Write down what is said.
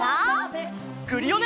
クリオネ！